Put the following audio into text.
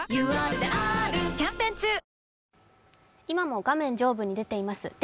今も画面上部に出ています